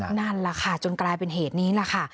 นั่นแหละค่ะจนกลายเป็นเหตุนี้แหละค่ะ